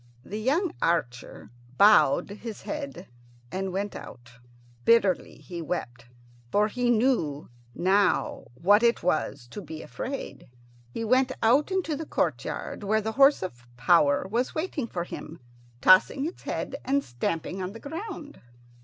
The young archer bowed his head and went out. Bitterly he wept, for he knew now what it was to be afraid. He went out into the courtyard, where the horse of power was waiting for him, tossing its head and stamping on the ground.